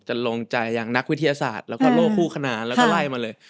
ลงใจอย่างนักวิทยาศาสตร์แล้วก็โลกคู่ขนานแล้วก็ไล่มาเลย